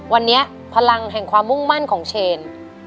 วันนี้พลังแห่งความมุ่งมั่นของเชน